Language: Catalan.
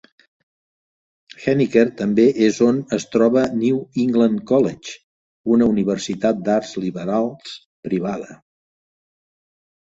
Henniker també és on es troba New England College, una universitat d'arts liberals privada.